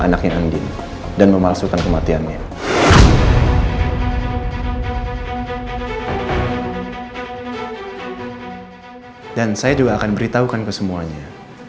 anaknya andi dan memaksudkan kematiannya dan saya juga akan beritahukan kesemuanya